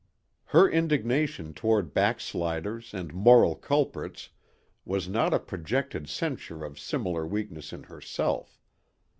Her indignation toward backsliders and moral culprits was not a projected censure of similar weakness in herself.